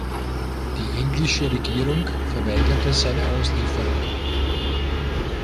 Die englische Regierung verweigerte seine Auslieferung.